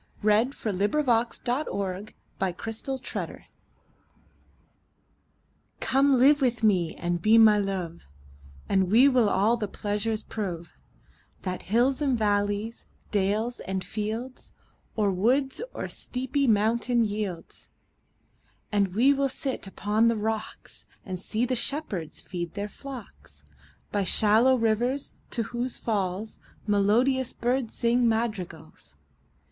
1564–93 121. The Passionate Shepherd to His Love COME live with me and be my Love, And we will all the pleasures prove That hills and valleys, dales and fields, Or woods or steepy mountain yields. And we will sit upon the rocks, 5 And see the shepherds feed their flocks By shallow rivers, to whose falls Melodious birds sing madrigals.